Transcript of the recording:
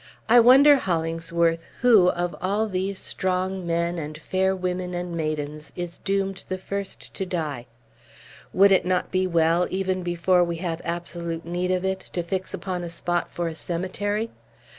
"I wonder, Hollingsworth, who, of all these strong men, and fair women and maidens, is doomed the first to die. Would it not be well, even before we have absolute need of it, to fix upon a spot for a cemetery?